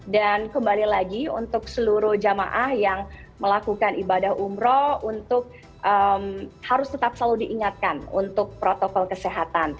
dan kembali lagi untuk seluruh jemaah yang melakukan ibadah umrah untuk harus tetap selalu diingatkan untuk protokol kesehatan